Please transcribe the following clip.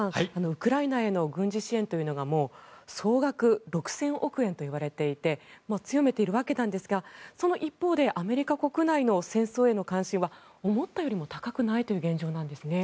ウクライナへの軍事支援が総額６０００億円といわれていて強めているわけなんですがその一方でアメリカ国内の戦争への関心は思ったよりも高くないという現状なんですね。